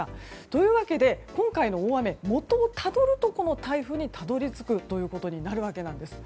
というわけで今回の大雨もとをたどるとこの台風にたどり着くということになるわけなんです。